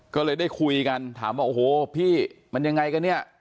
ก็เลยได้คุยกันถามว่าโอ้โหพี่มันยังไงกันเนี่ย